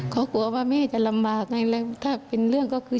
เขากลัวว่าแม่จะลำบากไงถ้าเป็นเรื่องก็คือ